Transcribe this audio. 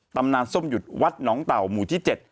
ตำนานส้มหยุดวัดหนองเต่าหมู่ที่๗